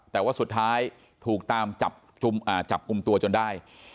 แต่ว่าสุดท้ายถูกตามจับกลุ่มตัวจนได้